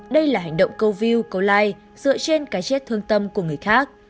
đây là hành động câu view câu like dựa trên cái chết thương tâm của người khác